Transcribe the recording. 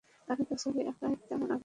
আগে তো ছবি আঁকায় তেমন আগ্রহী ছিলে না।